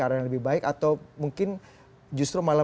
arah yang lebih baik atau mungkin justru malah